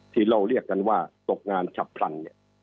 ที่เราเรียกกันว่าตกงานชับพลัน